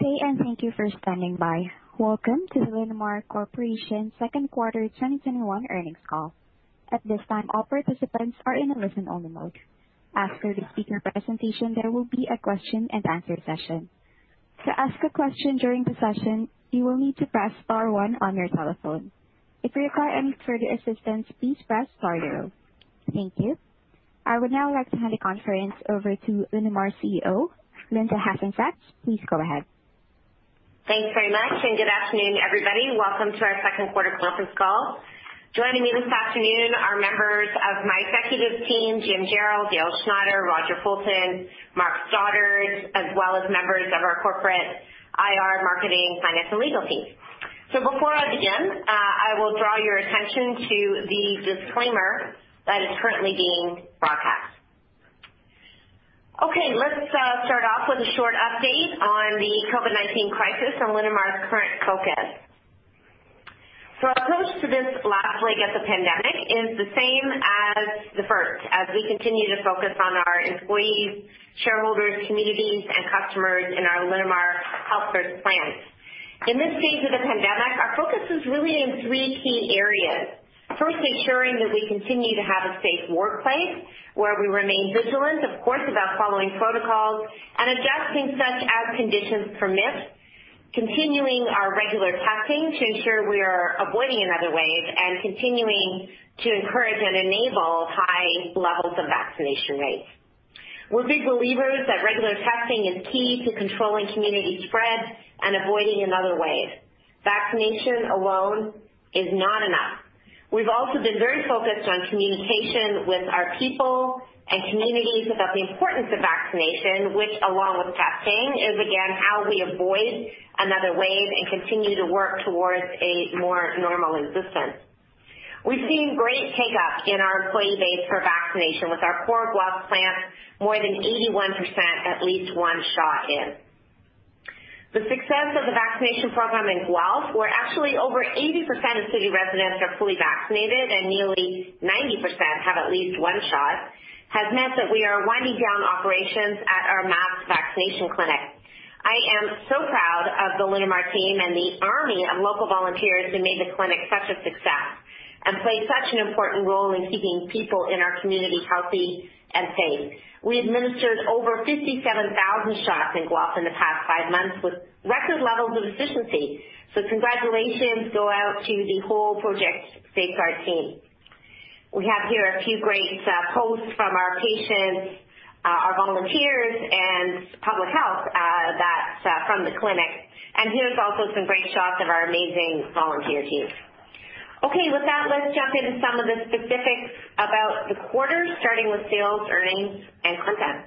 Good day, and thank you for standing by. Welcome to the Linamar Corporation second quarter 2021 earnings call. At this time, all participants are in a listen-only mode. After the speaker presentation, there will be a question and answer session. To ask a question during the session, you will need to press star one on your telephone. If you require any further assistance, please press star zero. Thank you. I would now like to hand the conference over to Linamar Chief Executive Officer, Linda Hasenfratz. Please go ahead. Thanks very much, and good afternoon, everybody. Welcome to our second quarter conference call. Joining me this afternoon are members of my executive team, Jim Jarrell, Dale Schneider, Roger Fulton, Mark Stoddart, as well as members of our corporate Investor Relations, marketing, finance, and legal team. Before I begin, I will draw your attention to the disclaimer that is currently being broadcast. Okay, let's start off with a short update on the COVID-19 crisis and Linamar's current focus. Our approach to this last leg of the pandemic is the same as the first, as we continue to focus on our employees, shareholders, communities, and customers in our Linamar Health First plans. In this stage of the pandemic, our focus is really in three key areas. First, ensuring that we continue to have a safe workplace where we remain vigilant, of course, about following protocols and adjusting such as conditions permit, continuing our regular testing to ensure we are avoiding another wave, and continuing to encourage and enable high levels of vaccination rates. We're big believers that regular testing is key to controlling community spread and avoiding another wave. Vaccination alone is not enough. We've also been very focused on communication with our people and communities about the importance of vaccination, which, along with testing, is again, how we avoid another wave and continue to work towards a more normal existence. We've seen great take-up in our employee base for vaccination with our core Guelph plant, more than 81% at least one shot in. The success of the vaccination program in Guelph, where actually over 80% of city residents are fully vaccinated and nearly 90% have at least one shot, has meant that we are winding down operations at our mass vaccination clinic. I am so proud of the Linamar team and the army of local volunteers who made the clinic such a success and played such an important role in keeping people in our community healthy and safe. We administered over 57,000 shots in Guelph in the past five months with record levels of efficiency. Congratulations go out to the whole Project Safeguard team. We have here a few great posts from our patients, our volunteers, and public health from the clinic, and here's also some great shots of our amazing volunteer team. Okay. With that, let's jump into some of the specifics about the quarter, starting with sales, earnings, and content.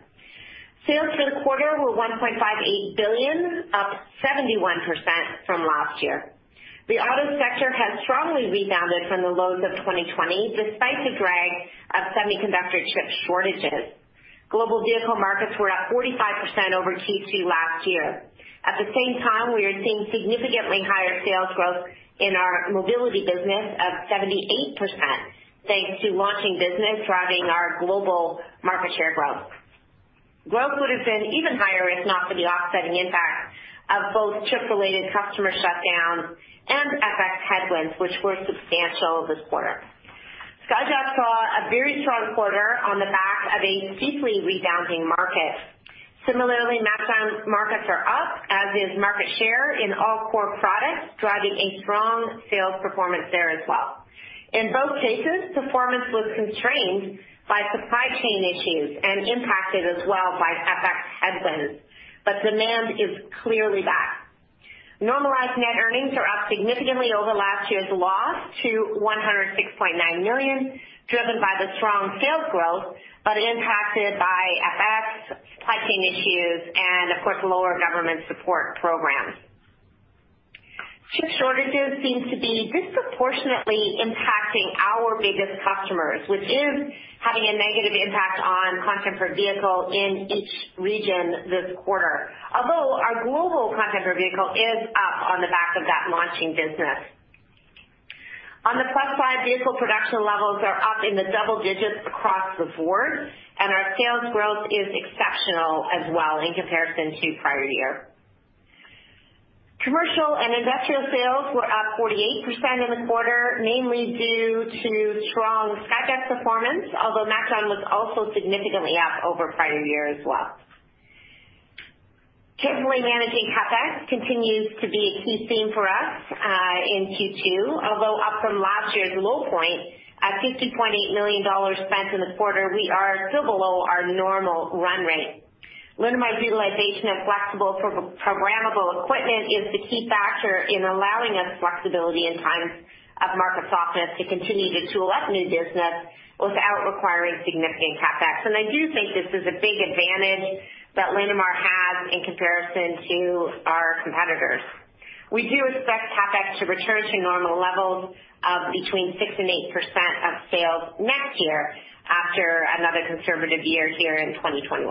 Sales for the quarter were 1.58 billion, up 71% from last year. The auto sector has strongly rebounded from the lows of 2020, despite the drag of semiconductor chip shortages. Global vehicle markets were up 45% over Q2 last year. At the same time, we are seeing significantly higher sales growth in our mobility business of 78%, thanks to launching business driving our global market share growth. Growth would have been even higher if not for the offsetting impact of both chip-related customer shutdowns and FX headwinds, which were substantial this quarter. Skyjack saw a very strong quarter on the back of a deeply rebounding market. Similarly, MacDon markets are up, as is market share in all core products, driving a strong sales performance there as well. In both cases, performance was constrained by supply chain issues and impacted as well by FX headwinds, but demand is clearly back. Normalized net earnings are up significantly over last year's loss to 106.9 million, driven by the strong sales growth, but impacted by FX, supply chain issues, and of course, lower government support programs. Chip shortages seem to be disproportionately impacting our biggest customers, which is having a negative impact on content per vehicle in each region this quarter. Although our global content per vehicle is up on the back of that launching business. On the plus side, vehicle production levels are up in the double digits across the board, and our sales growth is exceptional as well in comparison to prior year. Commercial and industrial sales were up 48% in the quarter, mainly due to strong Skyjack performance, although MacDon was also significantly up over prior year as well. Cautiously managing CapEx continues to be a key theme for us in Q2. Although up from last year's low point at 50.8 million dollars spent in the quarter, we are still below our normal run rate. Linamar's utilization of flexible programmable equipment is the key factor in allowing us flexibility in times of market softness to continue to tool up new business without requiring significant CapEx. I do think this is a big advantage that Linamar has in comparison to our competitors. We do expect CapEx to return to normal levels of between 6%-8% of sales next year after another conservative year here in 2021.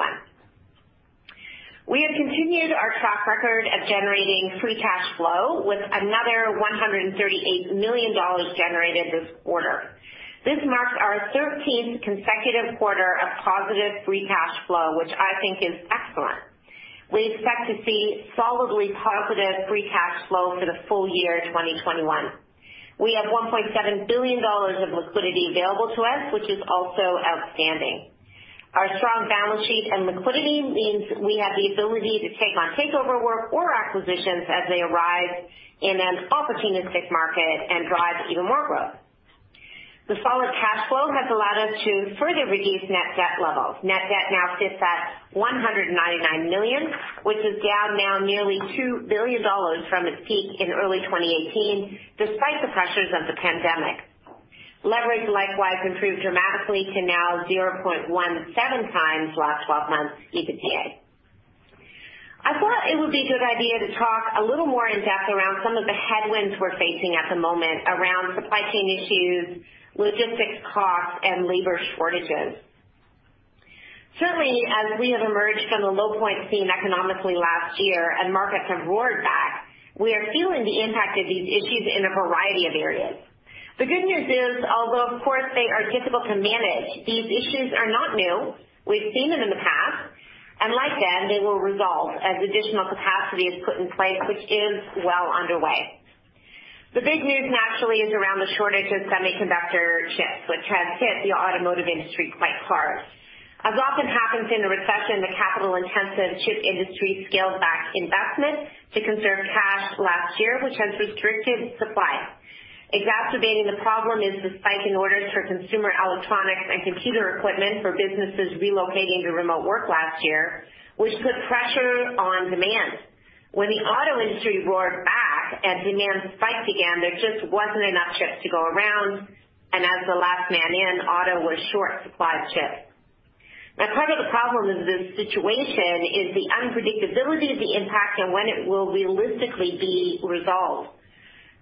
We have continued our track record of generating free cash flow with another 138 million dollars generated this quarter. This marks our 13th consecutive quarter of positive free cash flow, which I think is excellent. We expect to see solidly positive free cash flow for the full year 2021. We have 1.7 billion dollars of liquidity available to us, which is also outstanding. Our strong balance sheet and liquidity means we have the ability to take on takeover work or acquisitions as they arise in an opportunistic market and drive even more growth. The solid cash flow has allowed us to further reduce net debt levels. Net debt now sits at 199 million, which is down now nearly 2 billion dollars from its peak in early 2018, despite the pressures of the pandemic. Leverage likewise improved dramatically to now 0.17 times last 12 months EBITDA. I thought it would be a good idea to talk a little more in-depth around some of the headwinds we're facing at the moment around supply chain issues, logistics costs, and labor shortages. Certainly, as we have emerged from the low point seen economically last year and markets have roared back, we are feeling the impact of these issues in a variety of areas. The good news is, although of course they are difficult to manage, these issues are not new. We've seen them in the past, and like then, they will resolve as additional capacity is put in place, which is well underway. The big news naturally is around the shortage of semiconductor chips, which has hit the automotive industry quite hard. As often happens in a recession, the capital-intensive chip industry scaled back investment to conserve cash last year, which has restricted supply. Exacerbating the problem is the spike in orders for consumer electronics and computer equipment for businesses relocating to remote work last year, which put pressure on demand. When the auto industry roared back and demand spiked again, there just wasn't enough chips to go around, and as the last man in, auto was short supplied chips. Part of the problem with this situation is the unpredictability of the impact and when it will realistically be resolved.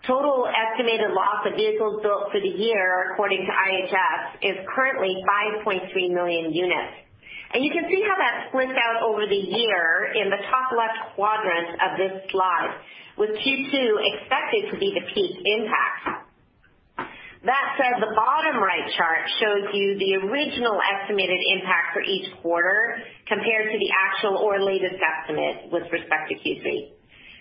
Total estimated loss of vehicles built for the year, according to IHS, is currently 5.3 million units. You can see how that splits out over the year in the top left quadrant of this slide, with Q2 expected to be the peak impact. That said, the bottom right chart shows you the original estimated impact for each quarter compared to the actual or latest estimate with respect to Q3.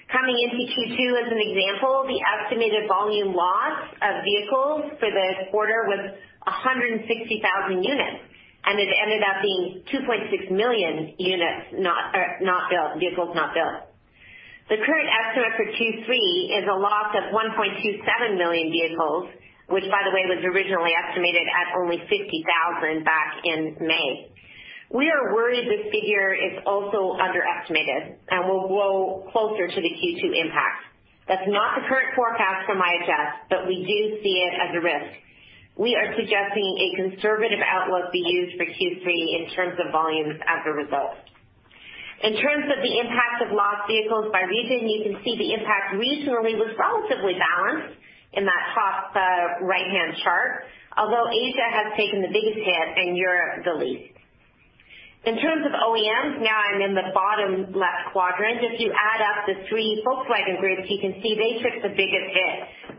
Coming into Q2, as an example, the estimated volume loss of vehicles for the quarter was 160,000 units, and it ended up being 2.6 million vehicles not built. The current estimate for Q3 is a loss of 1.27 million vehicles, which by the way, was originally estimated at only 50,000 back in May. We are worried this figure is also underestimated and will grow closer to the Q2 impact. That's not the current forecast from IHS, but we do see it as a risk. We are suggesting a conservative outlook be used for Q3 in terms of volumes as a result. In terms of the impact of lost vehicles by region, you can see the impact regionally was relatively balanced in that top right-hand chart. Although Asia has taken the biggest hit and Europe the least. In terms of OEMs, now I'm in the bottom left quadrant. If you add up the three Volkswagen groups, you can see they took the biggest hit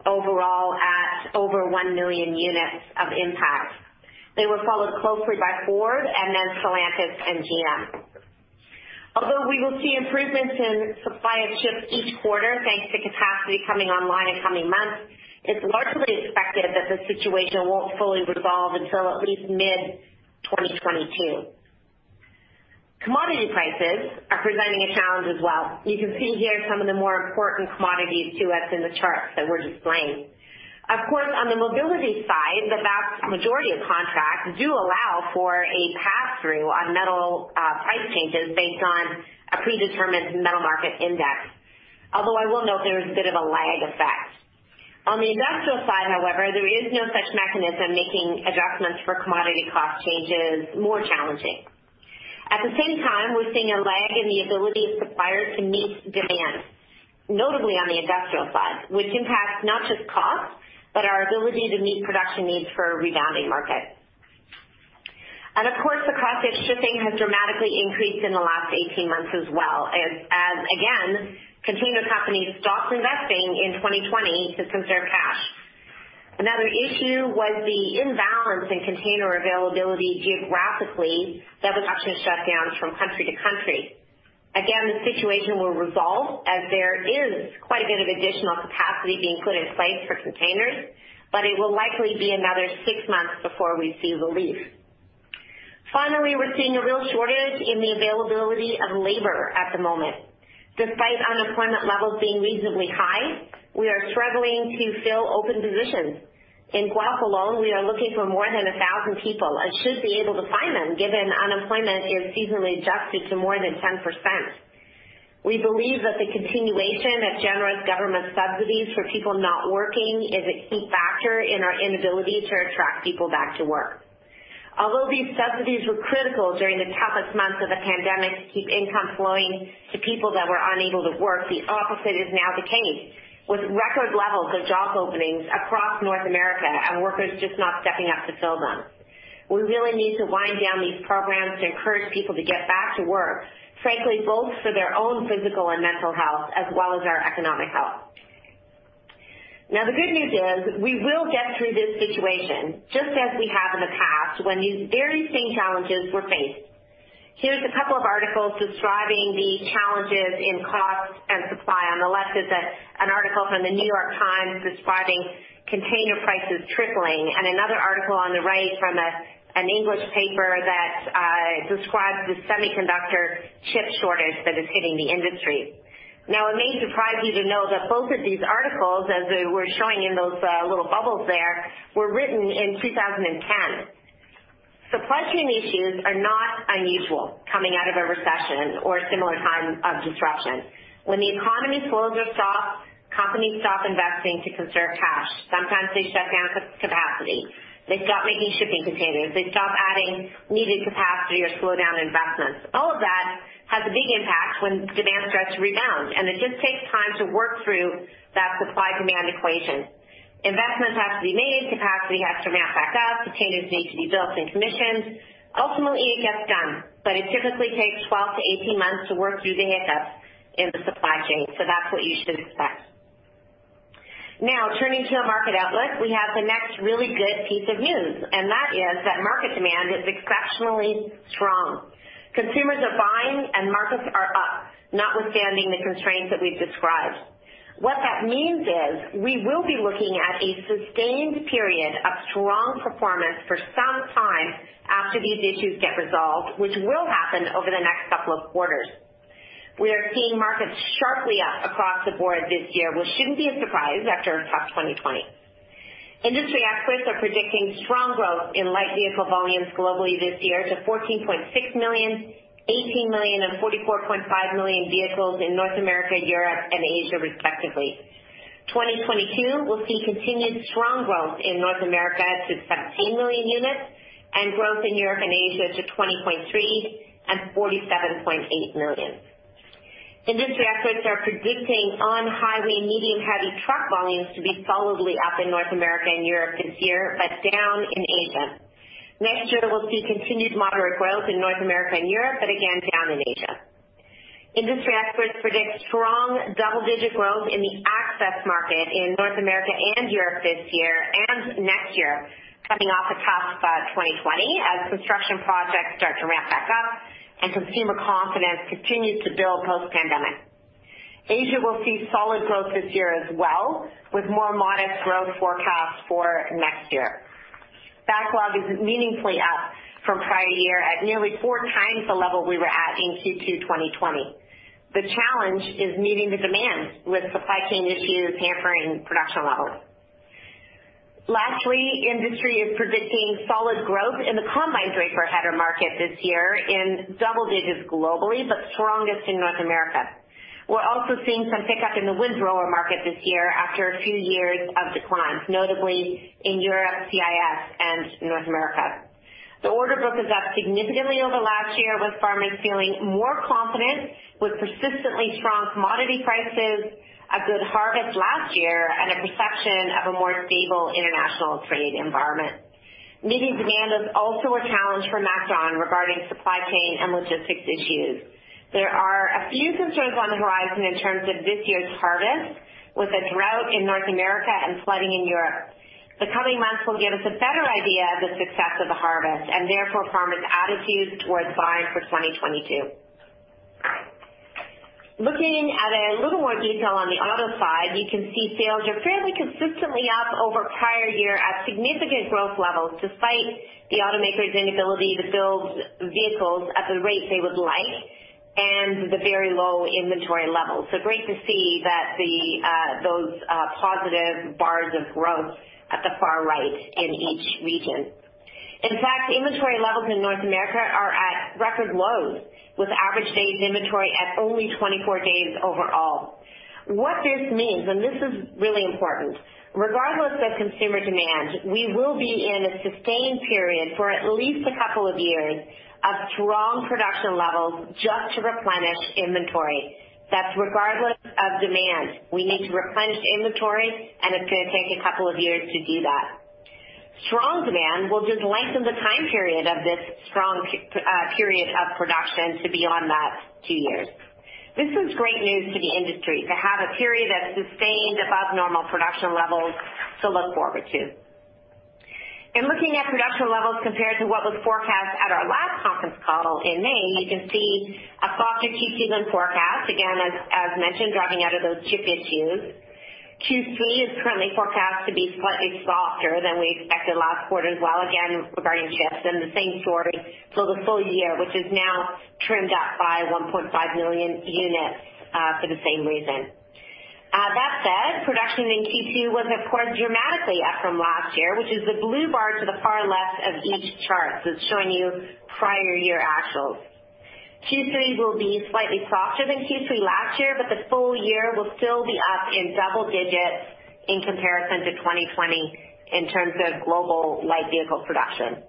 overall at over one million units of impact. They were followed closely by Ford and then Stellantis and GM. Although we will see improvements in supply of chips each quarter, thanks to capacity coming online in coming months, it's largely expected that the situation won't fully resolve until at least mid-2022. Commodity prices are presenting a challenge as well. You can see here some of the more important commodities to us in the chart that we're displaying. Of course, on the mobility side, the vast majority of contracts do allow for a pass-through on metal price changes based on a predetermined metal market index. Although I will note there is a bit of a lag effect. On the industrial side, however, there is no such mechanism making adjustments for commodity cost changes more challenging. At the same time, we're seeing a lag in the ability of suppliers to meet demand, notably on the industrial side, which impacts not just cost, but our ability to meet production needs for a rebounding market. Of course, the cost of shipping has dramatically increased in the last 18 months as well as, again, container companies stopped investing in 2020 to conserve cash. Another issue was the imbalance in container availability geographically that was actually shut down from country to country. Again, the situation will resolve as there is quite a bit of additional capacity being put in place for containers, but it will likely be another six months before we see relief. Finally, we're seeing a real shortage in the availability of labor at the moment. Despite unemployment levels being reasonably high, we are struggling to fill open positions. In Guelph alone, we are looking for more than 1,000 people and should be able to find them given unemployment is seasonally adjusted to more than 10%. We believe that the continuation of generous government subsidies for people not working is a key factor in our inability to attract people back to work. Although these subsidies were critical during the toughest months of the pandemic to keep income flowing to people that were unable to work, the opposite is now the case. With record levels of job openings across North America and workers just not stepping up to fill them. We really need to wind down these programs to encourage people to get back to work, frankly, both for their own physical and mental health as well as our economic health. The good news is we will get through this situation, just as we have in the past when these very same challenges were faced. Here's a couple of articles describing the challenges in cost and supply. On the left is an article from The New York Times describing container prices tripling, and another article on the right from an English paper that describes the semiconductor chip shortage that is hitting the industry. It may surprise you to know that both of these articles, as we're showing in those little bubbles there, were written in 2010. Supply chain issues are not unusual coming out of a recession or a similar time of disruption. When the economy slows or stops, companies stop investing to conserve cash. Sometimes they shut down capacity. They stop making shipping containers. They stop adding needed capacity or slow down investments. All of that has a big impact when demand starts to rebound, and it just takes time to work through that supply-demand equation. Investments have to be made, capacity has to ramp back up, containers need to be built and commissioned. Ultimately, it gets done, but it typically takes 12-18 months to work through the hiccups in the supply chain. That's what you should expect. Turning to the market outlook, we have the next really good piece of news, and that is that market demand is exceptionally strong. Consumers are buying and markets are up, notwithstanding the constraints that we've described. What that means is we will be looking at a sustained period of strong performance for some time after these issues get resolved, which will happen over the next couple of quarters. We are seeing markets sharply up across the board this year, which shouldn't be a surprise after a tough 2020. Industry experts are predicting strong growth in light vehicle volumes globally this year to 14.6 million, 18 million, and 44.5 million vehicles in North America, Europe, and Asia, respectively. 2022 will see continued strong growth in North America to 17 million units and growth in Europe and Asia to 20.3 and 47.8 million. Industry experts are predicting on-highway medium heavy truck volumes to be solidly up in North America and Europe this year, but down in Asia. Next year, we'll see continued moderate growth in North America and Europe, but again, down in Asia. Industry experts predict strong double-digit growth in the access market in North America and Europe this year and next year, coming off a tough 2020 as construction projects start to ramp back up and consumer confidence continues to build post-pandemic. Asia will see solid growth this year as well, with more modest growth forecast for next year. Backlog is meaningfully up from prior year at nearly four times the level we were at in Q2 2020. The challenge is meeting the demand with supply chain issues hampering production levels. Lastly, industry is predicting solid growth in the combine draper header market this year in double digits globally, but strongest in North America. We're also seeing some pickup in the windrower market this year after a few years of decline, notably in Europe, CIS, and North America. The order book is up significantly over last year, with farmers feeling more confident with persistently strong commodity prices, a good harvest last year, and a perception of a more stable international trade environment. Meeting demand is also a challenge for MacDon regarding supply chain and logistics issues. There are a few concerns on the horizon in terms of this year's harvest, with a drought in North America and flooding in Europe. The coming months will give us a better idea of the success of the harvest and therefore farmers' attitudes towards buying for 2022. Looking at a little more detail on the auto side, you can see sales are fairly consistently up over prior year at significant growth levels despite the automakers' inability to build vehicles at the rate they would like and the very low inventory levels. Great to see those positive bars of growth at the far right in each region. In fact, inventory levels in North America are at record lows, with average days inventory at only 24 days overall. What this means, and this is really important, regardless of consumer demand, we will be in a sustained period for at least a couple of years of strong production levels just to replenish inventory. That's regardless of demand. We need to replenish inventory, and it's going to take a couple of years to do that. Strong demand will just lengthen the time period of this strong period of production to beyond that two years. This is great news to the industry, to have a period of sustained above normal production levels to look forward to. In looking at production levels compared to what was forecast at our last conference call in May, you can see a softer Q2 forecast, again, as mentioned, driving out of those chip issues. Q3 is currently forecast to be slightly softer than we expected last quarter as well, again, regarding chips, and the same story for the full year, which is now trimmed up by 1.5 million units for the same reason. That said, production in Q2 was, of course, dramatically up from last year, which is the blue bar to the far left of each chart that's showing you prior year actuals. Q3 will be slightly softer than Q3 last year, but the full year will still be up in double digits in comparison to 2020 in terms of global light vehicle production.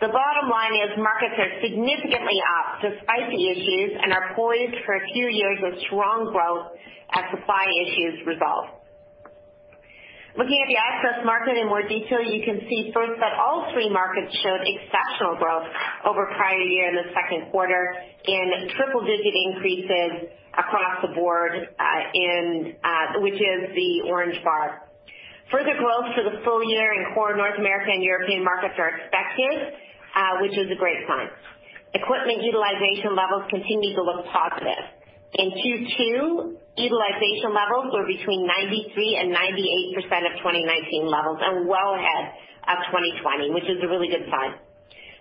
The bottom line is markets are significantly up despite the issues and are poised for a few years of strong growth as supply issues resolve. Looking at the access market in more detail, you can see first that all three markets showed exceptional growth over prior year in the second quarter in triple digit increases across the board, which is the orange bar. Further growth for the full year in core North American and European markets are expected, which is a great sign. Equipment utilization levels continue to look positive. In Q2, utilization levels were between 93% and 98% of 2019 levels and well ahead of 2020, which is a really good sign.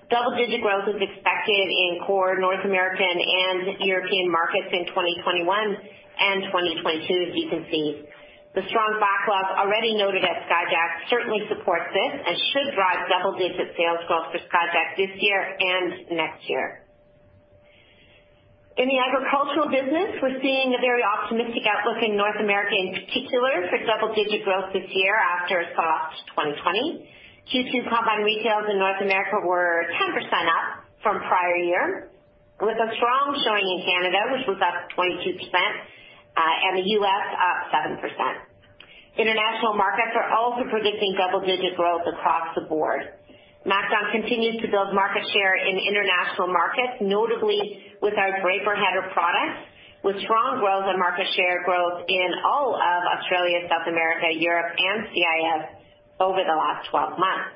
Double-digit growth is expected in core North American and European markets in 2021 and 2022, as you can see. The strong backlog already noted at Skyjack certainly supports this and should drive double-digit sales growth for Skyjack this year and next year. In the agricultural business, we're seeing a very optimistic outlook in North America in particular for double-digit growth this year after a soft 2020. Q2 combine retails in North America were 10% up from prior year, with a strong showing in Canada, which was up 22%, and the U.S. up 7%. International markets are also predicting double-digit growth across the board. MacDon continues to build market share in international markets, notably with our draper header products, with strong growth and market share growth in all of Australia, South America, Europe, and CIS over the last 12 months.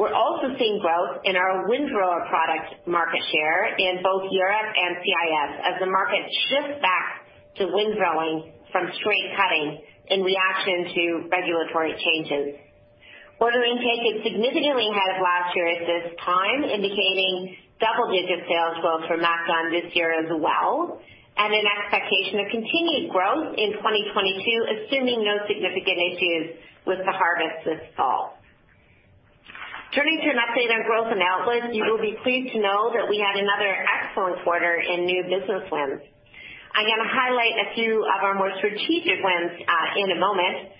We're also seeing growth in our windrower product market share in both Europe and CIS as the market shifts back to windrowing from straight cutting in reaction to regulatory changes. Ordering intake is significantly ahead of last year at this time, indicating double-digit sales growth for MacDon this year as well, and an expectation of continued growth in 2022, assuming no significant issues with the harvest this fall. Turning to an update on growth and outlook, you will be pleased to know that we had another excellent quarter in new business wins. I'm going to highlight a few of our more strategic wins in a moment.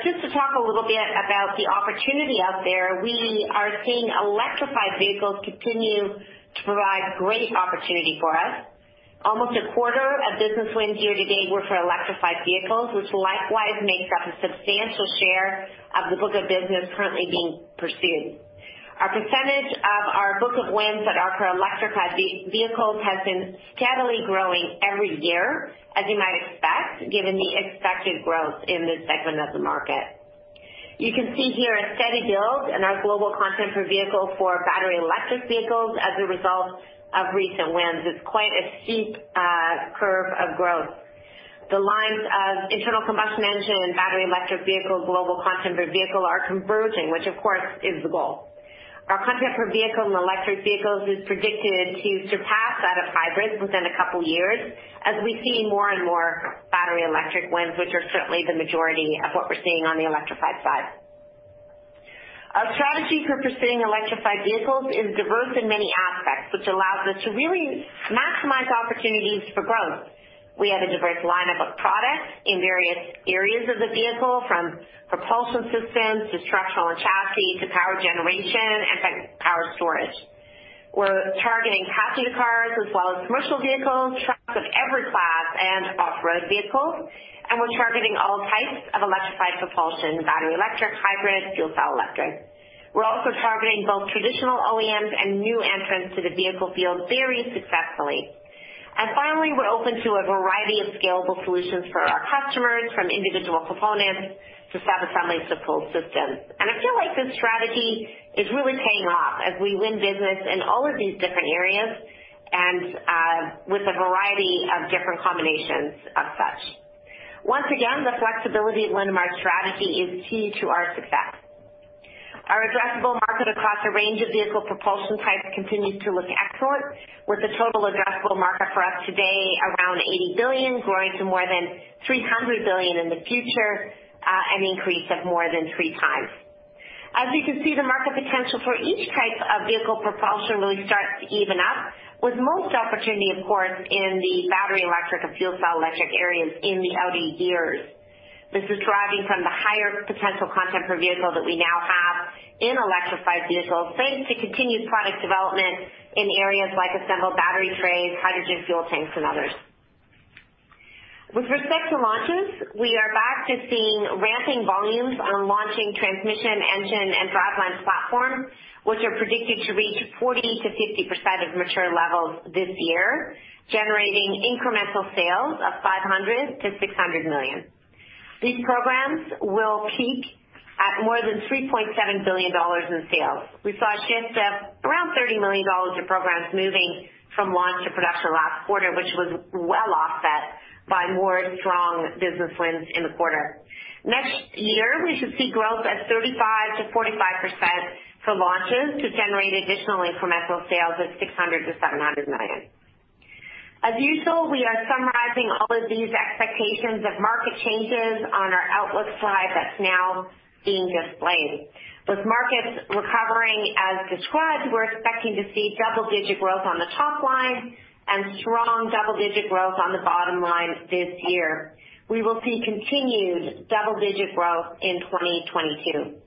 Just to talk a little bit about the opportunity out there, we are seeing electrified vehicles continue to provide great opportunity for us. Almost a quarter of business wins year-to-date were for electrified vehicles, which likewise makes up a substantial share of the book of business currently being pursued. Our percentage of our book of wins that are for electrified vehicles has been steadily growing every year, as you might expect, given the expected growth in this segment of the market. You can see here a steady build in our global content per vehicle for battery electric vehicles as a result of recent wins. It's quite a steep curve of growth. The lines of internal combustion engine and battery electric vehicles global content per vehicle are converging, which of course is the goal. Our content per vehicle in electric vehicles is predicted to surpass that of hybrids within a couple of years as we see more and more battery electric wins, which are certainly the majority of what we're seeing on the electrified side. Our strategy for pursuing electrified vehicles is diverse in many aspects, which allows us to really maximize opportunities for growth. We have a diverse lineup of products in various areas of the vehicle, from propulsion systems to structural and chassis to power generation and power storage. We're targeting passenger cars as well as commercial vehicles, trucks of every class, and off-road vehicles, and we're targeting all types of electrified propulsion, battery, electric, hybrid, fuel cell electric. We're also targeting both traditional OEMs and new entrants to the vehicle field very successfully. Finally, we're open to a variety of scalable solutions for our customers, from individual components to system-level support systems. I feel like this strategy is really paying off as we win business in all of these different areas and with a variety of different combinations of such. Once again, the flexibility of Linamar's strategy is key to our success. Our addressable market across a range of vehicle propulsion types continues to look excellent, with the total addressable market for us today around 80 billion, growing to more than 300 billion in the future, an increase of more than three times. As you can see, the market potential for each type of vehicle propulsion really starts to even up with most opportunity, of course, in the battery electric and fuel cell electric areas in the out years. This is driving from the higher potential content per vehicle that we now have in electrified vehicles, thanks to continued product development in areas like assembled battery trays, hydrogen fuel tanks, and others. With respect to launches, we are back to seeing ramping volumes on launching transmission, engine, and driveline platforms, which are predicted to reach 40%-50% of mature levels this year, generating incremental sales of 500 million-600 million. These programs will peak at more than 3.7 billion dollars in sales. We saw a shift of around 30 million dollars of programs moving from launch to production last quarter, which was well offset by more strong business wins in the quarter. Next year, we should see growth at 35%-45% for launches to generate additional incremental sales of 600 million-700 million. As usual, we are summarizing all of these expectations of market changes on our outlook slide that is now being displayed. With markets recovering as described, we are expecting to see double-digit growth on the top line and strong double-digit growth on the bottom line this year. We will see continued double-digit growth in 2022.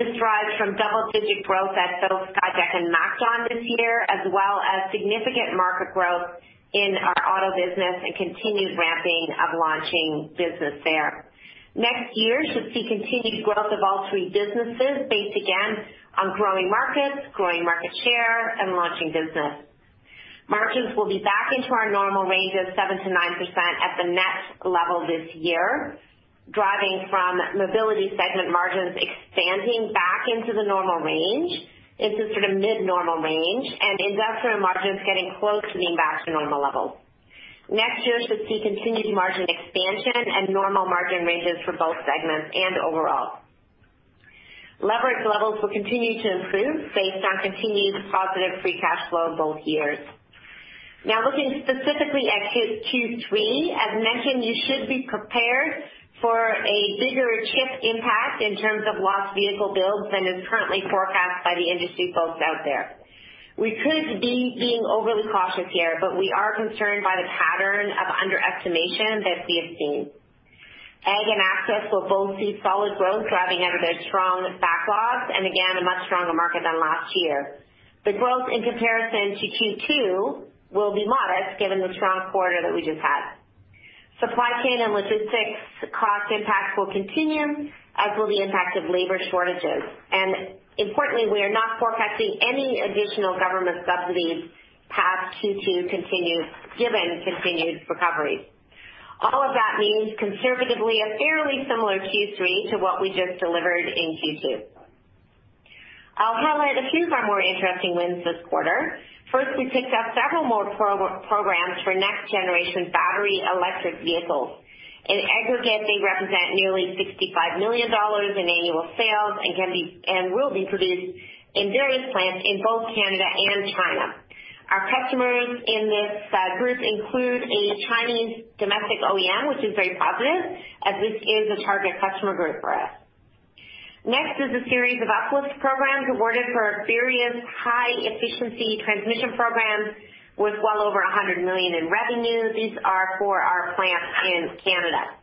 This drives from double-digit growth at both Skyjack and MacDon this year, as well as significant market growth in our auto business and continued ramping of launching business there. Next year should see continued growth of all three businesses based, again, on growing markets, growing market share, and launching business. Margins will be back into our normal range of 7%-9% at the net level this year, driving from mobility segment margins expanding back into the normal range, into sort of mid normal range, and industrial margins getting close to being back to normal levels. Next year should see continued margin expansion and normal margin ranges for both segments and overall. Leverage levels will continue to improve based on continued positive free cash flow both years. Looking specifically at Q3, as mentioned, you should be prepared for a bigger chip impact in terms of lost vehicle builds than is currently forecast by the industry folks out there. We could be being overly cautious here, we are concerned by the pattern of underestimation that we have seen. Ag and Access will both see solid growth driving out of their strong backlogs, again, a much stronger market than last year. The growth in comparison to Q2 will be modest given the strong quarter that we just had. Supply chain and logistics cost impacts will continue, as will the impact of labor shortages. Importantly, we are not forecasting any additional government subsidies past Q2 given continued recovery. All of that means conservatively a fairly similar Q3 to what we just delivered in Q2. I'll highlight a few of our more interesting wins this quarter. First, we picked up several more programs for next generation battery electric vehicles. In aggregate, they represent nearly 65 million dollars in annual sales and will be produced in various plants in both Canada and China. Our customers in this group include a Chinese domestic OEM, which is very positive, as this is a target customer group for us. Next is a series of Access programs awarded for various high efficiency transmission programs worth well over 100 million in revenue. These are for our plants in Canada.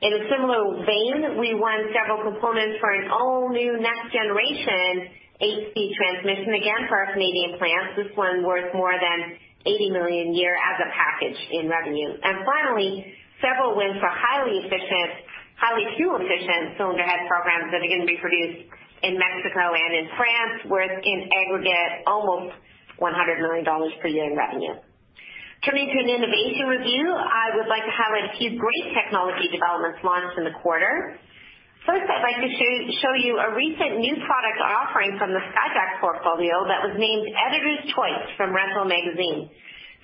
In a similar vein, we won several components for an all-new, next generation high speed transmission, again, for our Canadian plants. This one worth more than 80 million a year as a package in revenue. Finally, several wins for highly fuel-efficient cylinder head programs that are going to be produced in Mexico and in France, worth in aggregate almost 100 million dollars per year in revenue. Turning to an innovation review, I would like to highlight a few great technology developments launched in the quarter. First, I'd like to show you a recent new product offering from the Skyjack portfolio that was named Editor's Choice from Rental Magazine.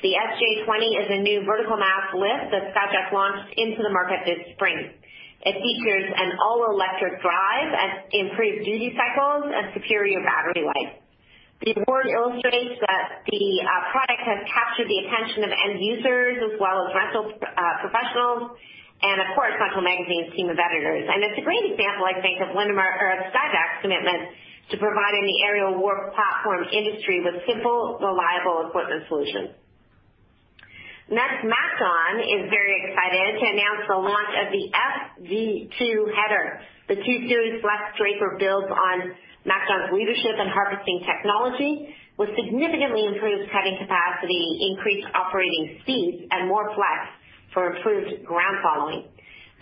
The SJ20 is a new vertical mast lift that Skyjack launched into the market this spring. It features an all-electric drive and improved duty cycles and superior battery life. The award illustrates that the product has captured the attention of end users as well as rental professionals, and of course, Rental Magazine's team of editors. It's a great example, I think, of Skyjack's commitment to providing the aerial work platform industry with simple, reliable equipment solutions. Next, MacDon is very excited to announce the launch of the FD2 header. The 2 Series FlexDraper builds on MacDon's leadership in harvesting technology, with significantly improved cutting capacity, increased operating speeds, and more flex for improved ground following.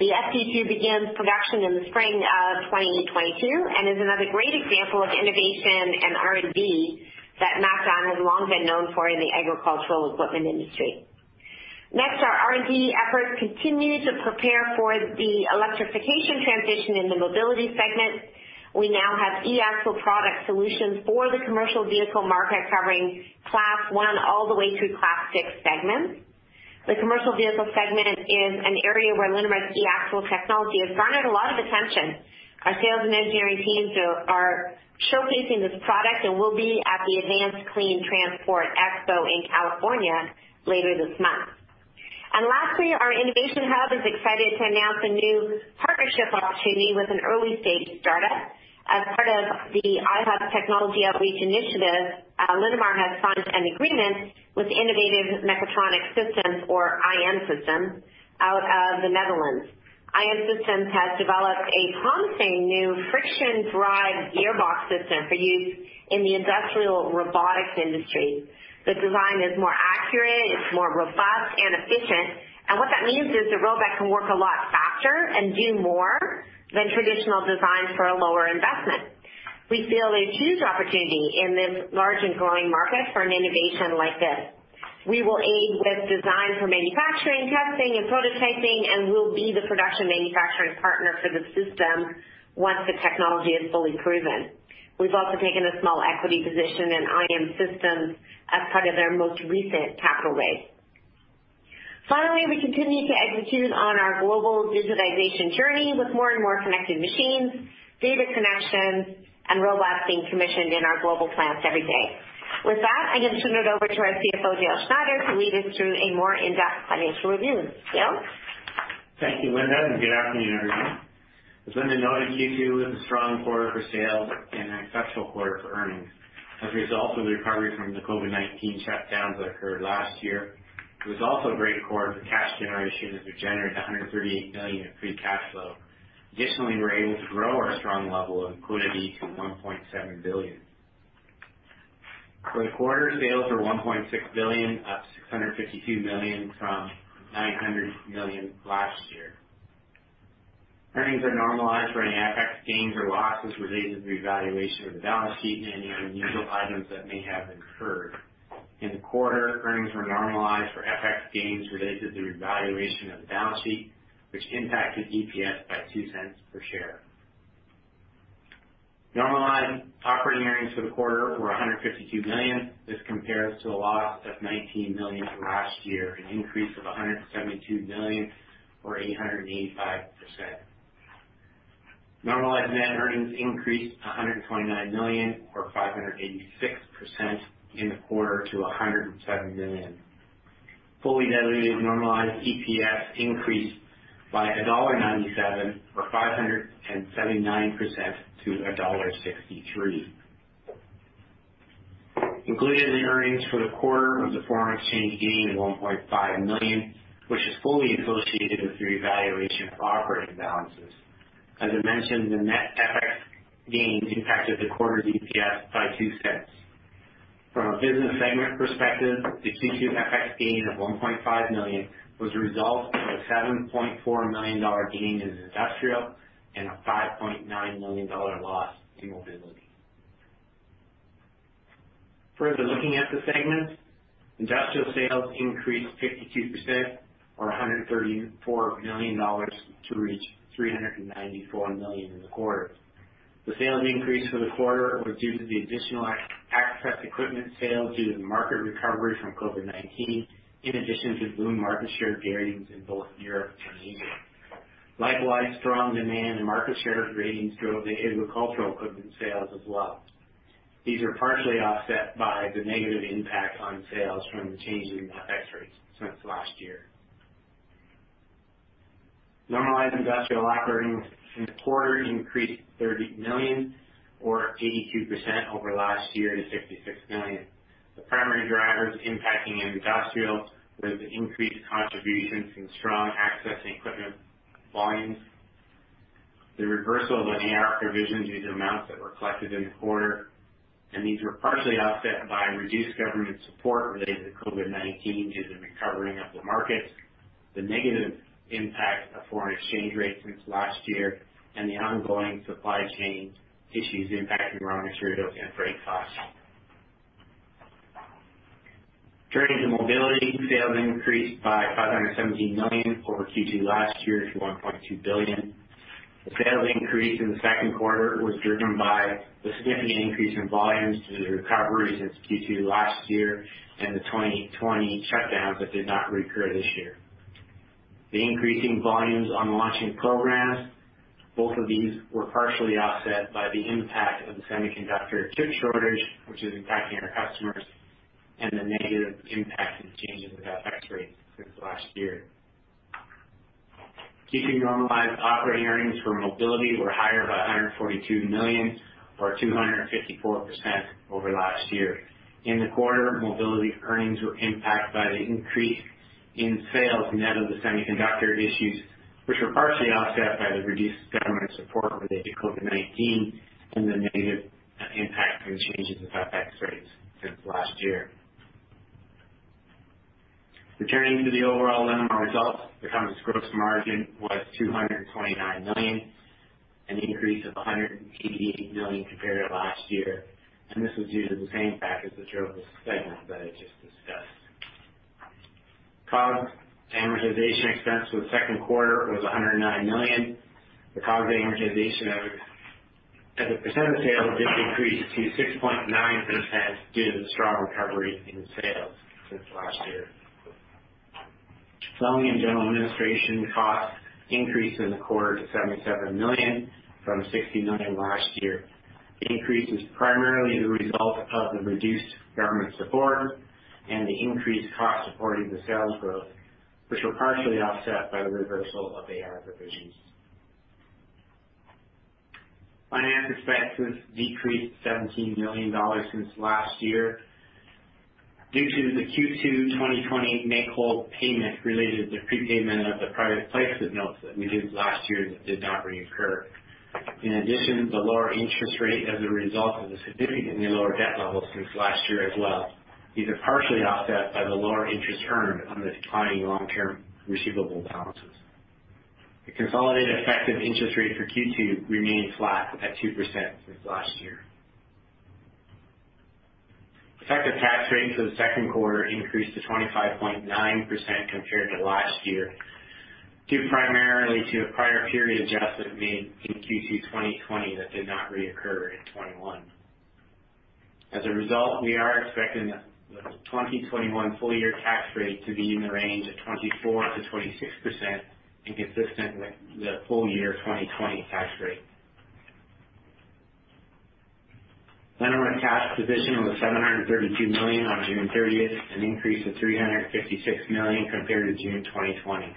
The FD2 begins production in the spring of 2022 and is another great example of innovation and R&D that MacDon has long been known for in the agricultural equipment industry. Next, our R&D efforts continue to prepare for the electrification transition in the mobility segment. We now have eAxle product solutions for the commercial vehicle market, covering Class 1 all the way through Class 6 segments. The commercial vehicle segment is an area where Linamar's eAxle technology has garnered a lot of attention. Our sales and engineering teams are showcasing this product and will be at the Advanced Clean Transportation Expo in California later this month. Lastly, our Innovation Hub is excited to announce a new partnership opportunity with an early-stage startup. As part of the iHub Technology Outreach Initiative, Linamar has signed an agreement with Innovative Mechatronic Systems, or IMSystems, out of the Netherlands. IMSystems has developed a promising new friction drive gearbox system for use in the industrial robotics industry. The design is more accurate, it's more robust and efficient. What that means is the robot can work a lot faster and do more than traditional designs for a lower investment. We feel a huge opportunity in this large and growing market for an innovation like this. We will aid with design for manufacturing, testing, and prototyping. Will be the production manufacturing partner for the system once the technology is fully proven. We've also taken a small equity position in IMSystems as part of their most recent capital raise. Finally, we continue to execute on our global digitization journey with more and more connected machines, data connections, and robots being commissioned in our global plants every day. With that, I'm going to turn it over to our Chief Financial Officer, Dale Schneider, to lead us through a more in-depth financial review. Dale? Thank you, Linda, and good afternoon, everyone. As Linda noted, Q2 was a strong quarter for sales and an exceptional quarter for earnings as a result of the recovery from the COVID-19 shutdowns that occurred last year. It was also a great quarter for cash generation as we generated 138 million of free cash flow. Additionally, we were able to grow our strong level of liquidity to 1.7 billion. For the quarter, sales were 1.6 billion, up 652 million from 900 million last year. Earnings are normalized for any FX gains or losses related to the revaluation of the balance sheet and any unusual items that may have incurred. In the quarter, earnings were normalized for FX gains related to the revaluation of the balance sheet, which impacted EPS by 0.02 per share. Normalized operating earnings for the quarter were 152 million. This compares to a loss of 19 million from last year, an increase of 172 million, or 885%. Normalized net earnings increased 129 million or 586% in the quarter to 107 million. Fully diluted normalized EPS increased by CAD 1.97 or 579% to CAD 1.63. Included in the earnings for the quarter was a foreign exchange gain of 1.5 million, which is fully associated with the revaluation of operating balances. As I mentioned, the net FX gains impacted the quarter's EPS by 0.02. From a business segment perspective, the Q2 FX gain of 1.5 million was a result of a 7.4 million dollar gain in Industrial and a 5.9 million dollar loss in Mobility. Further looking at the segments, Industrial sales increased 52% or 134 million dollars to reach 394 million in the quarter. The sales increase for the quarter was due to the additional access equipment sales due to the market recovery from COVID-19, in addition to boom market share gains in both Europe and Asia. Likewise, strong demand and market share gains drove the agricultural equipment sales as well. These are partially offset by the negative impact on sales from the change in FX rates since last year. Normalized Industrial operating in the quarter increased 30 million or 82% over last year to 66 million. The primary drivers impacting Industrial was the increased contributions from strong access and equipment volumes, the reversal of an AR provision due to amounts that were collected in the quarter, and these were partially offset by reduced government support related to COVID-19 due to the recovering of the markets, the negative impact of foreign exchange rates since last year, and the ongoing supply chain issues impacting raw materials and freight costs. Turning to Mobility, sales increased by 517 million over Q2 last year to 1.2 billion. The sales increase in the second quarter was driven by the significant increase in volumes due to the recovery since Q2 last year and the 2020 shutdowns that did not reoccur this year. The increasing volumes on launching programs, both of these were partially offset by the impact of the semiconductor chip shortage, which is impacting our customers, and the negative impact of changes in FX rates since last year. Q2 normalized operating earnings for Mobility were higher by 142 million or 254% over last year. In the quarter, Mobility earnings were impacted by the increase in sales net of the semiconductor issues, which were partially offset by the reduced government support related to COVID-19 and the negative impact from changes in FX rates since last year. Returning to the overall Linamar results, the company's gross margin was 229 million, an increase of 188 million compared to last year, this was due to the same factors that drove the segments that I just discussed. COGS amortization expense for the second quarter was 109 million. The COGS amortization as a percent of sales did increase to 6.9% due to the strong recovery in sales since last year. Selling and general administration costs increased in the quarter to 77 million from 60 million last year. The increase is primarily the result of the reduced government support and the increased costs supporting the sales growth, which were partially offset by the reversal of AR provisions. Finance expenses decreased 17 million dollars since last year due to the Q2 2020 make-whole payment related to the prepayment of the private placement notes that we did last year that did not reoccur, in addition to the lower interest rate as a result of the significantly lower debt levels since last year as well. These are partially offset by the lower interest earned on the declining long-term receivable balances. The consolidated effective interest rate for Q2 remained flat at 2% since last year. Effective tax rate for the second quarter increased to 25.9% compared to last year, due primarily to a prior period adjustment made in Q2 2020 that did not reoccur in 2021. As a result, we are expecting the 2021 full-year tax rate to be in the range of 24%-26%, inconsistent with the full-year 2020 tax rate. Linamar cash position was 732 million on June 30th, an increase of 356 million compared to June 2020.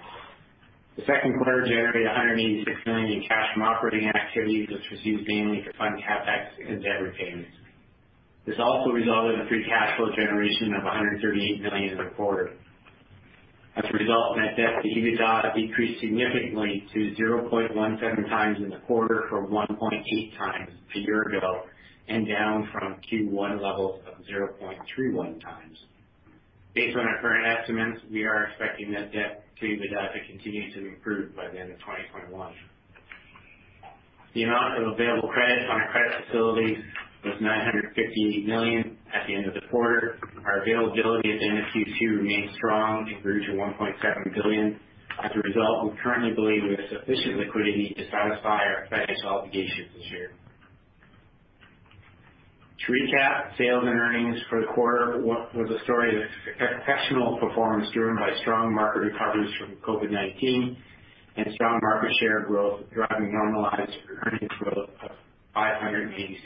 The second quarter generated 186 million in cash from operating activities, which was used mainly to fund CapEx and debt repayments. This also resulted in free cash flow generation of 138 million in the quarter. As a result, net debt to EBITDA decreased significantly to 0.17x in the quarter from 1.8x a year ago and down from Q1 levels of 0.31x. Based on our current estimates, we are expecting that debt to EBITDA to continue to improve by the end of 2021. The amount of available credit on our credit facilities was 958 million at the end of the quarter. Our availability at end of Q2 remains strong and grew to 1.7 billion. As a result, we currently believe we have sufficient liquidity to satisfy our financial obligations this year. To recap, sales and earnings for the quarter was a story of exceptional performance driven by strong market recoveries from COVID-19 and strong market share growth driving normalized earnings growth of 586%.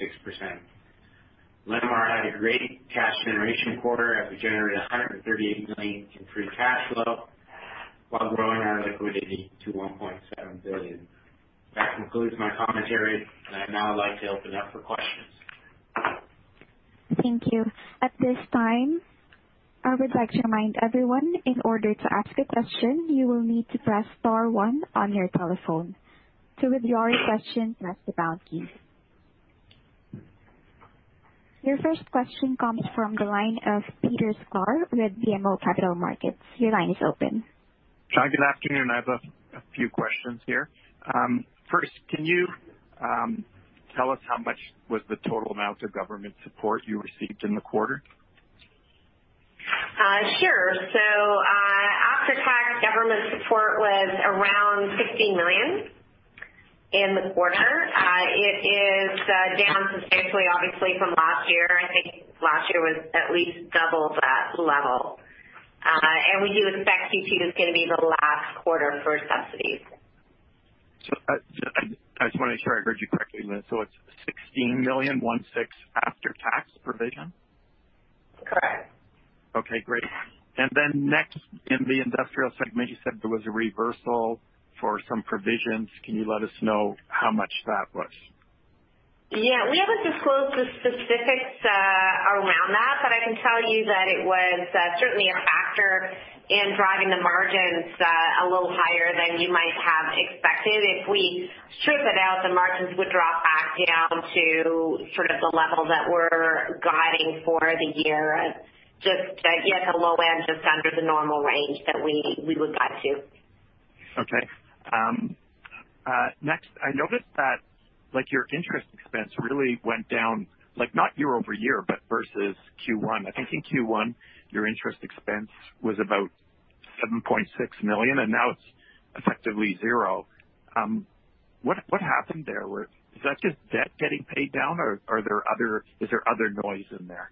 Linamar had a great cash generation quarter as we generated 138 million in free cash flow while growing our liquidity to 1.7 billion. That concludes my commentary, and I'd now like to open up for questions. Thank you. At this time, I would like to remind everyone in order to ask a question, you will need to press star one on your telephone. To withdraw your question, press the pound key. Your first question comes from the line of Peter Sklar with BMO Capital Markets. Your line is open. Hi, good afternoon. I have a few questions here. First, can you tell us how much was the total amount of government support you received in the quarter? Sure. After-tax government support was around 16 million in the quarter. It is down substantially, obviously, from last year. I think last year was at least double that level. We do expect Q2 is going to be the last quarter for subsidies. I just want to make sure I heard you correctly, Linda. It's 16 million, 16 million, after-tax provision? Correct. Okay, great. Next, in the industrial segment, you said there was a reversal for some provisions. Can you let us know how much that was? Yeah. We haven't disclosed the specifics around that. I can tell you that it was certainly a factor in driving the margins a little higher than you might have expected. If we strip it out, the margins would drop back down to sort of the level that we're guiding for the year. Just, yeah, the low end, just under the normal range that we would guide to. Next, I noticed that your interest expense really went down, not YoY, but versus Q1. I think in Q1, your interest expense was about 7.6 million, and now it's effectively zero. What happened there? Is that just debt getting paid down, or is there other noise in there?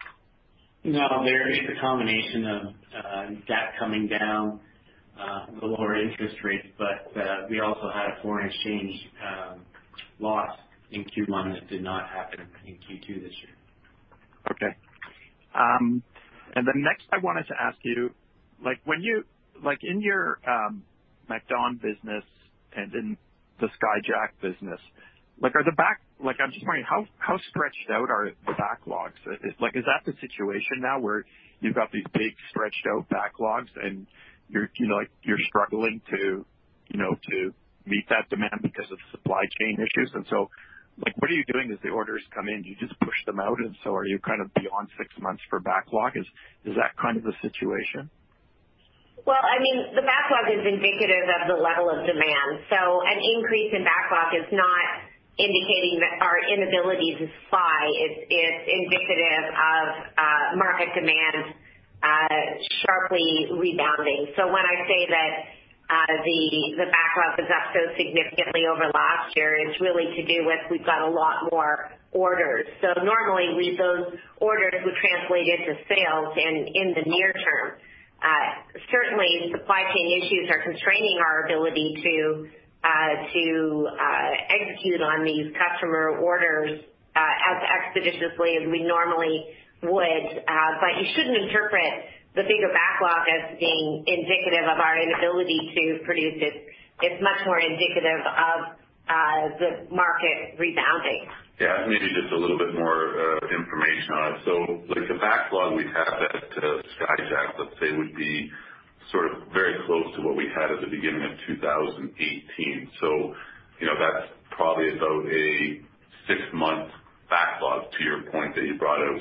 No, there is a combination of debt coming down, the lower interest rates, but we also had a foreign exchange loss in Q1 that did not happen in Q2 this year. Okay. Next, I wanted to ask you, in your MacDon business and in the Skyjack business, I'm just wondering, how stretched out are backlogs? Is that the situation now where you've got these big stretched out backlogs and you're struggling to meet that demand because of supply chain issues? What are you doing as the orders come in? Do you just push them out? Are you kind of beyond six months for backlog? Is that kind of the situation? The backlog is indicative of the level of demand, so an increase in backlog is not indicating our inability to supply. It's indicative of market demand sharply rebounding. When I say that the backlog is up so significantly over last year, it's really to do with we've got a lot more orders. Normally, those orders would translate into sales in the near term. Certainly, supply chain issues are constraining our ability to execute on these customer orders as expeditiously as we normally would. You shouldn't interpret the bigger backlog as being indicative of our inability to produce. It's much more indicative of the market rebounding. Yeah, maybe just a little bit more information on it. The backlog we have at Skyjack, let's say, would be sort of very close to what we had at the beginning of 2018. That's probably about a six-month backlog to your point that you brought out.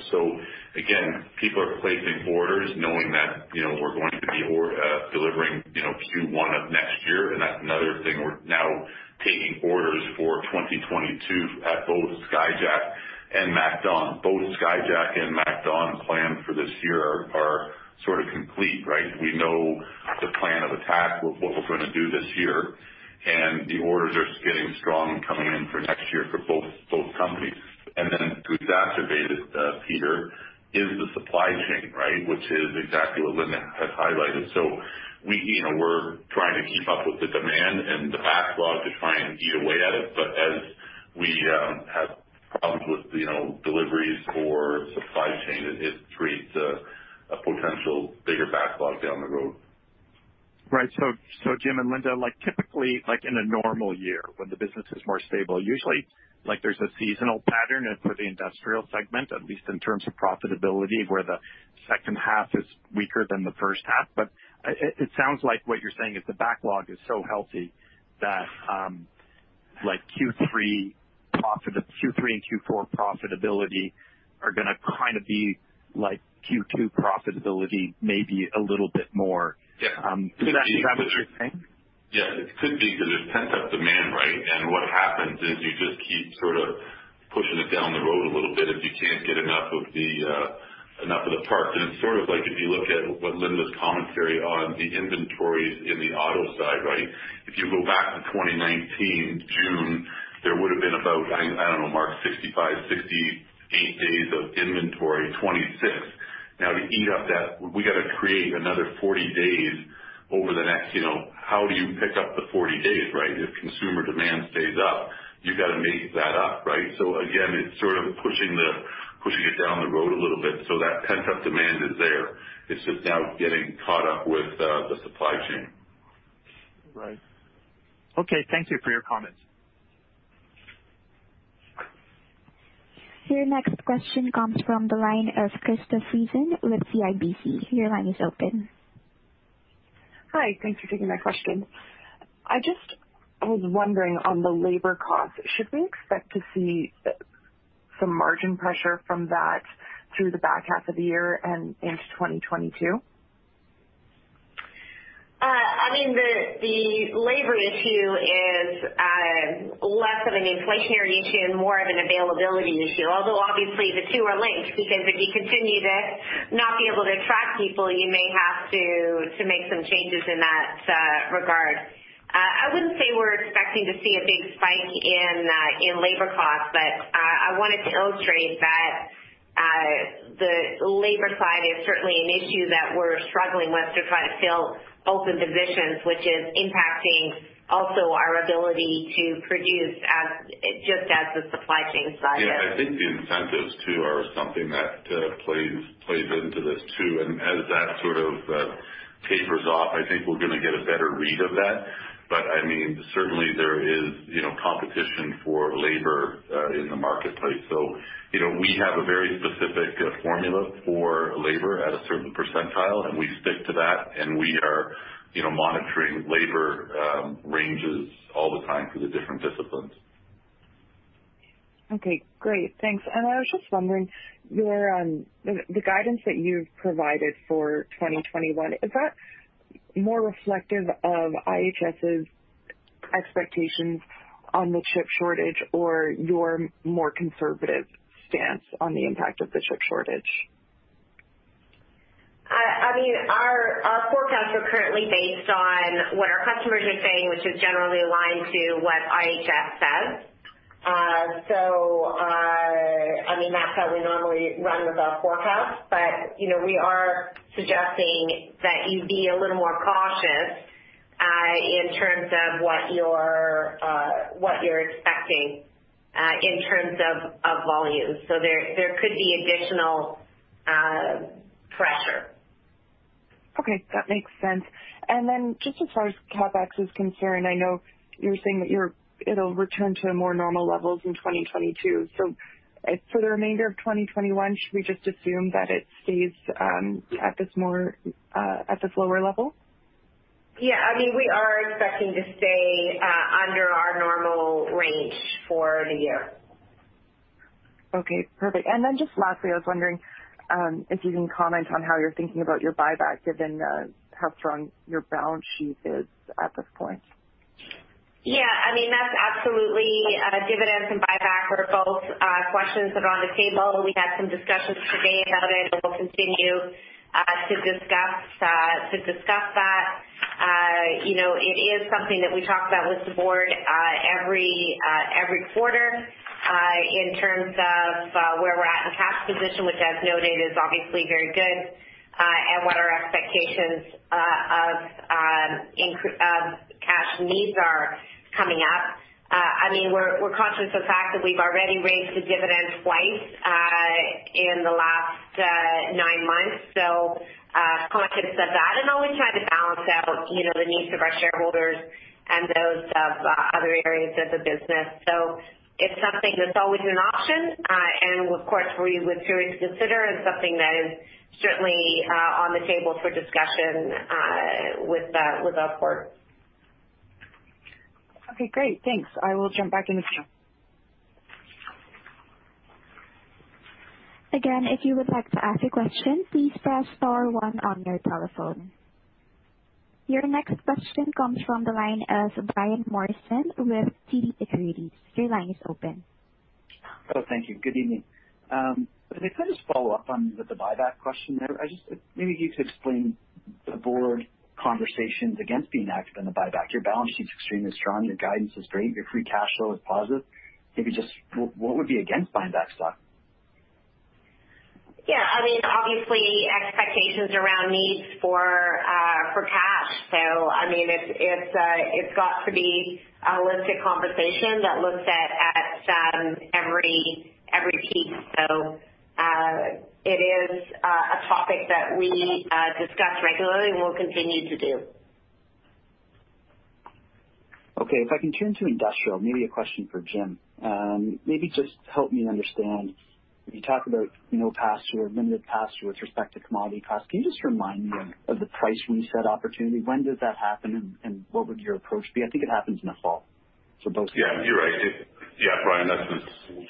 Again, people are placing orders knowing that we're going to be delivering Q1 of next year, and that's another thing we're now taking orders for 2022 at both Skyjack and MacDon. Both Skyjack and MacDon plans for this year are sort of complete, right? We know the plan of attack with what we're going to do this year, and the orders are getting strong coming in for next year for both companies. To exacerbate it, Peter, is the supply chain, right? Which is exactly what Linda has highlighted. We're trying to keep up with the demand and the backlog to try and eat away at it. As we have problems with deliveries or supply chain, it creates a potential bigger backlog down the road. Right. Jim and Linda, typically in a normal year when the business is more stable, usually there's a seasonal pattern for the industrial segment, at least in terms of profitability, where the second half is weaker than the first half. It sounds like what you're saying is the backlog is so healthy that Like Q3 and Q4 profitability are going to be like Q2 profitability, maybe a little bit more. Yeah. Is that what you're saying? Yeah, it could be because there's pent-up demand, right? What happens is you just keep pushing it down the road a little bit if you can't get enough of the parts. It's like if you look at what Linda's commentary on the inventories in the auto side, right? If you go back to 2019, June, there would've been about, I don't know, Mark, 65, 68 days of inventory, 26. Now to eat up that, we got to create another 40 days over the next. How do you pick up the 40 days, right? If consumer demand stays up, you got to make that up, right? Again, it's sort of pushing it down the road a little bit. That pent-up demand is there. It's just now getting caught up with the supply chain. Right. Okay. Thank you for your comments. Your next question comes from the line of Krista Friesen with CIBC. Your line is open. Hi. Thanks for taking my question. I just was wondering on the labor cost, should we expect to see some margin pressure from that through the back half of the year and into 2022? The labor issue is less of an inflationary issue and more of an availability issue. Although obviously the two are linked because if you continue to not be able to attract people, you may have to make some changes in that regard. I wouldn't say we're expecting to see a big spike in labor costs, but I wanted to illustrate that the labor side is certainly an issue that we're struggling with to try to fill open positions, which is impacting also our ability to produce just as the supply chain side is. Yeah, I think the incentives too are something that plays into this too. As that sort of tapers off, I think we're going to get a better read of that. Certainly there is competition for labor in the marketplace. We have a very specific formula for labor at a certain percentile, and we stick to that, and we are monitoring labor ranges all the time for the different disciplines. Okay, great. Thanks. I was just wondering, the guidance that you've provided for 2021, is that more reflective of IHS's expectations on the chip shortage or your more conservative stance on the impact of the chip shortage? Our forecasts are currently based on what our customers are saying, which is generally aligned to what IHS says. That's how we normally run with our forecast. We are suggesting that you be a little more cautious in terms of what you're expecting in terms of volumes. There could be additional pressure. Okay. That makes sense. Just as far as CapEx is concerned, I know you're saying that it'll return to more normal levels in 2022. For the remainder of 2021, should we just assume that it stays at this lower level? Yeah, we are expecting to stay under our normal range for the year. Just lastly, I was wondering if you can comment on how you're thinking about your buyback given how strong your balance sheet is at this point? Yeah, dividends and buyback are both questions that are on the table. We had some discussions today about it, and we'll continue to discuss that. It is something that we talk about with the board every quarter in terms of where we're at in cash position, which as noted is obviously very good, and what our expectations of cash needs are coming up. We're conscious of the fact that we've already raised the dividend twice in the last nine months. Conscious of that, and always trying to balance out the needs of our shareholders and those of other areas of the business. It's something that's always an option. Of course, we would choose to consider is something that is certainly on the table for discussion with our board. Okay, great. Thanks. I will jump back in the chat. Again, if you want to ask a question, press star one on your telephone. Your next question comes from the line of Brian Morrison with TD Securities. Thank you. Good evening. If I just follow-up on with the buyback question there. Maybe you could explain the board conversations against being active in the buyback. Your balance sheet's extremely strong. Your guidance is great. Your free cash flow is positive. Maybe just what would be against buying back stock? Yeah. Obviously expectations around needs for cash. It's got to be a holistic conversation that looks at every piece. It is a topic that we discuss regularly and will continue to do. Okay. If I can turn to industrial, maybe a question for Jim. Maybe just help me understand, when you talk about no pass or limited pass through with respect to commodity costs, can you just remind me of the price reset opportunity? When does that happen and what would your approach be? I think it happens in the fall. Yeah, you're right. Yeah, Brian, that's the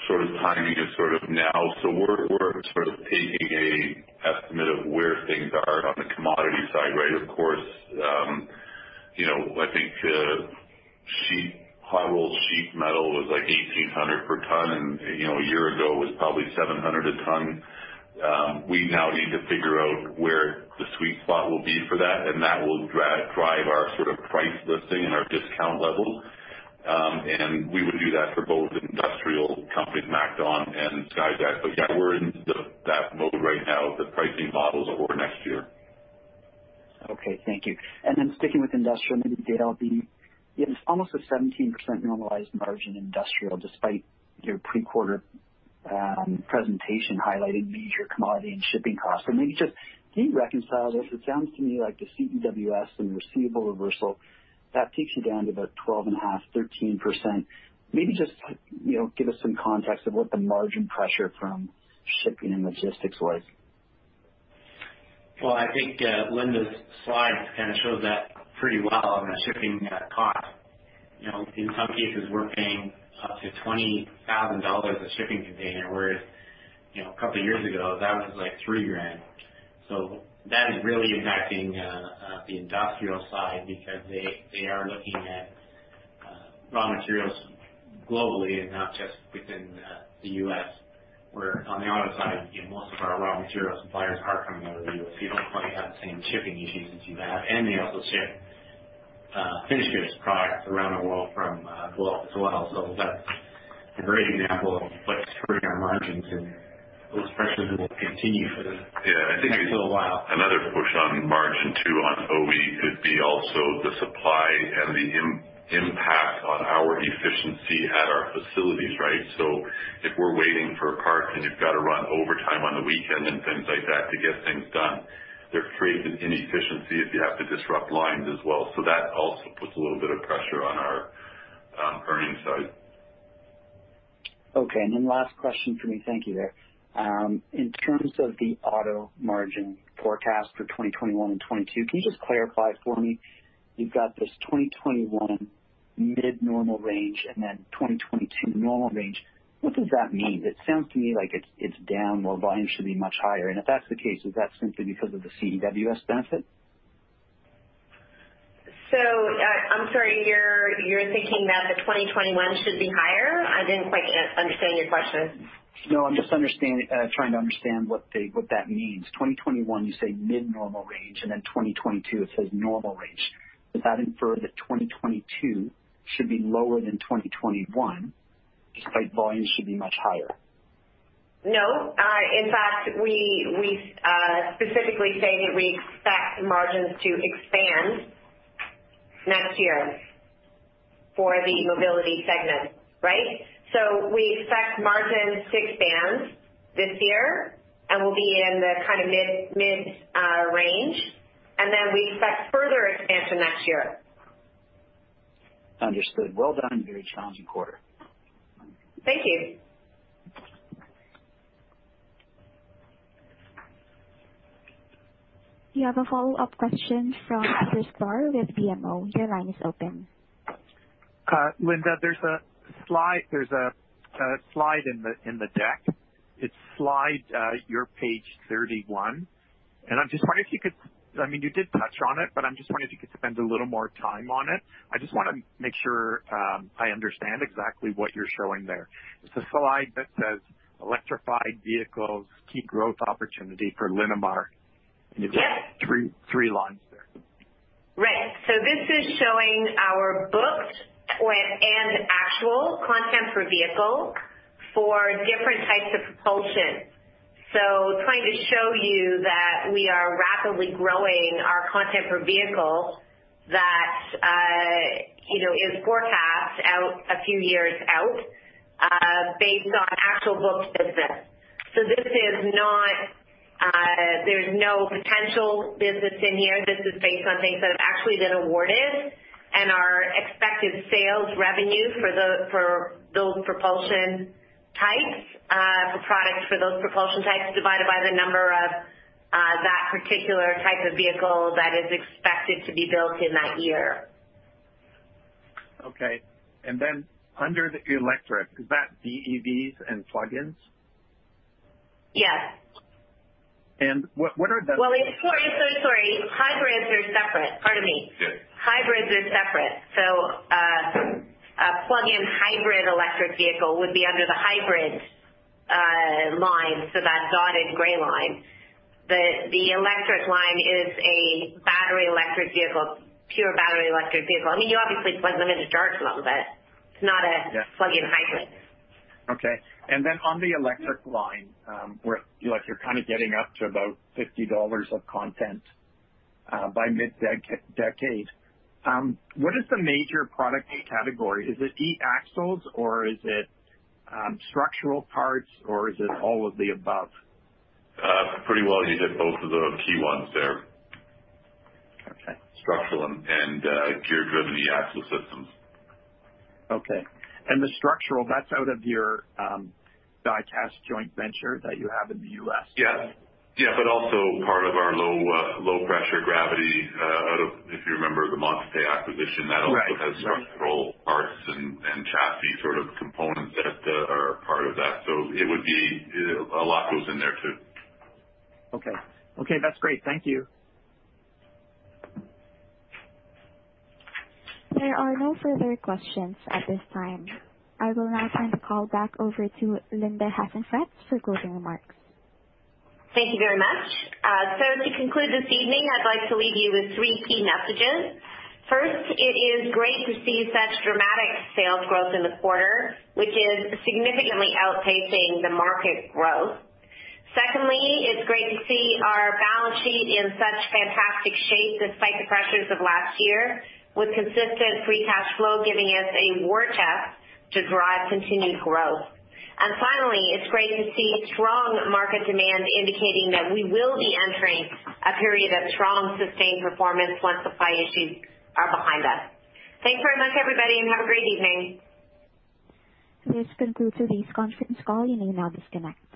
sort of timing is sort of now. We're sort of taking an estimate of where things are on the commodity side, right? Of course, I think hot rolled sheet metal was like 1,800 per ton, and a year ago it was probably 700 a ton. We now need to figure out where the sweet spot will be for that, and that will drive our sort of price listing and our discount levels. We would do that for both industrial company MacDon and Skyjack. Yeah, we're in that mode right now with the pricing models over next year. Okay, thank you. Sticking with industrial, maybe Dale, it's almost a 17% normalized margin in industrial despite your pre-quarter presentation highlighting major commodity and shipping costs. Maybe just can you reconcile this? It sounds to me like the CEWS and receivable reversal, that takes you down to about 12.5%-13%. Maybe just give us some context of what the margin pressure from shipping and logistics was. Well, I think Linda's slide kind of shows that pretty well on the shipping cost. In some cases, we're paying up to 20,000 dollars a shipping container, whereas a couple of years ago that was like 3,000. That is really impacting the industrial side because they are looking at raw materials globally and not just within the U.S. Where on the auto side, most of our raw material suppliers are coming out of the U.S. You don't quite have the same shipping issues as you had. They also ship finished goods products around the world from Guelph as well. That's a great example of what's hurting our margins, and those pressures will continue. Yeah, I think- Next little while. Another push on margin too on OE could be also the supply and the impact on our efficiency at our facilities, right? If we're waiting for parts and you've got to run overtime on the weekend and things like that to get things done, there's created inefficiencies if you have to disrupt lines as well. That also puts a little bit of pressure on our earnings side. Okay, last question for me. Thank you there. In terms of the auto margin forecast for 2021 and 2022, can you just clarify for me, you've got this 2021 mid normal range and then 2022 normal range. What does that mean? It sounds to me like it's down while volume should be much higher. If that's the case, is that simply because of the CEWS benefit? I'm sorry, you're thinking that the 2021 should be higher? I didn't quite understand your question. No, I'm just trying to understand what that means. 2021, you say mid normal range, and then 2022, it says normal range. Does that infer that 2022 should be lower than 2021 despite volume should be much higher? No. In fact, we specifically say that we expect margins to expand next year for the mobility segment, right? We expect margins to expand this year, and we'll be in the kind of mid range. We expect further expansion next year. Understood. Well done. Very challenging quarter. Thank you. You have a follow-up question from Peter Sklar with BMO. Your line is open. Linda, there's a slide in the deck. It's slide, your page 31. You did touch on it, but I'm just wondering if you could spend a little more time on it. I just want to make sure I understand exactly what you're showing there. It's the slide that says "Electrified vehicles key growth opportunity for Linamar. Yes. You've got three lines there. Right. This is showing our booked and actual content per vehicle for different types of propulsion. It's going to show you that we are rapidly growing our content per vehicle that is forecast a few years out based on actual booked business. There's no potential business in here. This is based on things that have actually been awarded and our expected sales revenue for those propulsion types, for products for those propulsion types divided by the number of that particular type of vehicle that is expected to be built in that year. Okay. Under the electric, is that BEVs and plug-ins? Yes. And what are the- Well, sorry. Hybrids are separate. Pardon me. Yeah. Hybrids are separate. A plug-in hybrid electric vehicle would be under the hybrid line, so that dotted gray line. The electric line is a battery electric vehicle, pure battery electric vehicle. I mean, you obviously plug them in to charge them, but it's not a plug-in hybrid. Okay. On the electric line, where it looks like you're kind of getting up to about 50 dollars of content by mid-decade. What is the major product category? Is it eAxles or is it structural parts or is it all of the above? Pretty well you hit both of the key ones there. Okay. Structural and gear-driven eAxle systems. Okay. The structural, that's out of your die-cast joint venture that you have in the U.S.? Yes. Also part of our low pressure gravity out of, if you remember the Montupet acquisition, that also has structural parts and chassis sort of components that are a part of that. A lot goes in there, too. Okay. Okay, that's great. Thank you. There are no further questions at this time. I will now turn the call back over to Linda Hasenfratz for closing remarks. Thank you very much. To conclude this evening, I'd like to leave you with three key messages. First, it is great to see such dramatic sales growth in the quarter, which is significantly outpacing the market growth. Secondly, it's great to see our balance sheet in such fantastic shape despite the pressures of last year with consistent free cash flow giving us a war chest to drive continued growth. Finally, it's great to see strong market demand indicating that we will be entering a period of strong, sustained performance once supply issues are behind us. Thanks very much, everybody, and have a great evening. This concludes today's conference call. You may now disconnect.